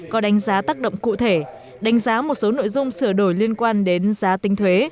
có đánh giá tác động cụ thể đánh giá một số nội dung sửa đổi liên quan đến giá tinh thuế